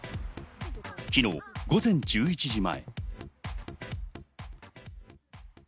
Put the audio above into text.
昨日午前１１時前。